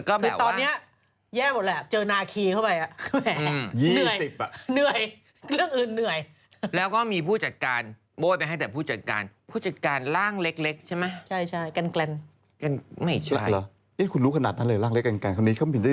แย่หมดแล้วเจอนาคีเข้าไป